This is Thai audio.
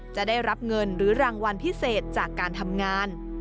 จะได้รับเงินหรือรางวัลพิเศษจากการทำงาน